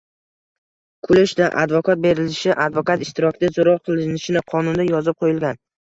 Kulishdi. Advokat berilishi, advokat ishtirokida so‘roq qilinishi qonunda yozib qo‘yilgan.